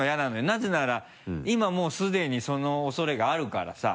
なぜなら今もうすでにその恐れがあるからさ。